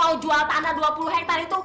kalau jual tanah dua puluh hektare itu